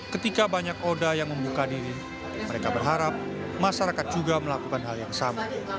ketika banyak oda yang membuka diri mereka berharap masyarakat juga melakukan hal yang sama